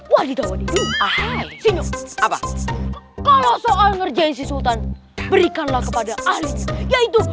wadidawadidu ahai apa kalau soal ngerjain si sultan berikanlah kepada ahli yaitu